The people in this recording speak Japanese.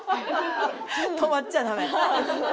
止まっちゃダメ。